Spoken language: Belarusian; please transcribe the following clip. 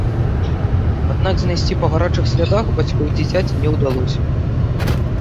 Аднак знайсці па гарачых слядах бацькоў дзіцяці не ўдалося.